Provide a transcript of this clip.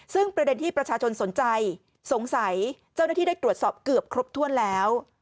ซึ่งประเด็นที่ประชาชนสนใจสงสัยเจ้าหน้าที่ได้ตรวจสอบเกือบครบถ้วนแล้ว